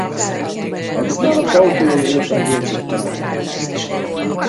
Ezután a Szófiai Egyetem bölcsész karán diplomázott.